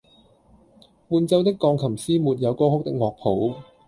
伴奏的鋼琴師沒有歌曲的樂譜